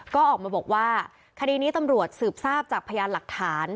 ก็ออกมาบอกว่าคดีนี้ตำรวจสืบทราบจากพยานหลักฐาน